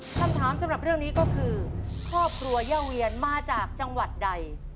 คำถามสำหรับเรื่องนี้ก็คือครอบครัวย่าเวียนมาจากจังหวัดใด